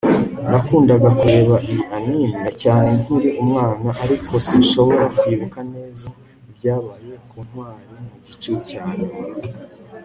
Nakundaga kureba iyi anime cyane nkiri umwana ariko sinshobora kwibuka neza ibyabaye ku ntwari mugice cyanyuma